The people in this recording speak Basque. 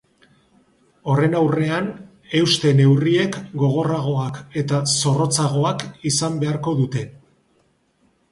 Horren aurrean euste neurriek gogorragoak eta zorrotzagoak izan beharko dute.